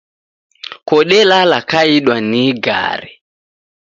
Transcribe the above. Kodelala kaidwa ni igare